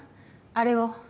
あれを。